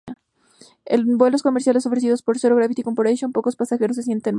En vuelos comerciales ofrecidos por Zero Gravity Corporation, pocos pasajeros se sienten mal.